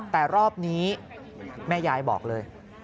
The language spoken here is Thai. แต่รอบนี้แม่ยายบอกเลย